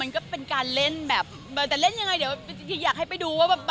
มันก็เป็นการเล่นแบบเออแต่เล่นยังไงเดี๋ยวอยากให้ไปดูว่าแบบ